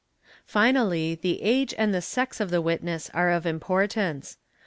. Finally the age and the sex of the witness are of importance.